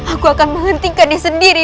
aku akan menghentikan diri sendiri